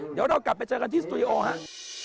เดี๋ยวเรากลับไปเจอกันที่สตูดิโอครับ